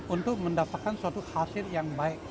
untuk mendapatkan suatu hasil yang baik